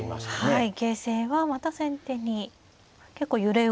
はい。